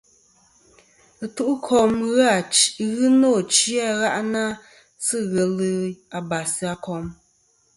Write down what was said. Ɨtu'kom ghɨ nô achi a gha'nɨ-a sɨ ghelɨ abas a kom.